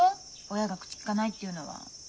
親が口きかないっていうのは。